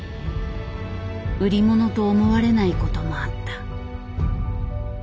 売り物と思われないこともあった。